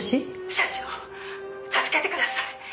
「社長助けてください！」